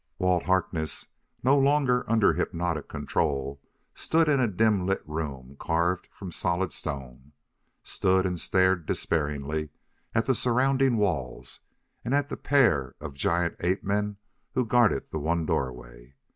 Walt Harkness, no longer under hypnotic control, stood in a dim lit room carved from solid stone; stood, and stared despairingly at the surrounding walls and at the pair of giant ape men who guarded the one doorway.